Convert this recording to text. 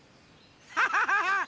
アハハハ！